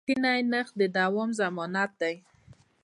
رښتیني نرخ د دوام ضمانت دی.